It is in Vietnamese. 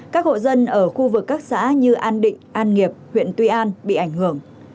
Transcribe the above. các hộ dân ở khu vực các xã như an định an nghiệp huyện tuy an bị ảnh hưởng